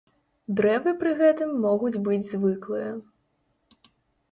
Дрэвы пры гэтым могуць быць звыклыя.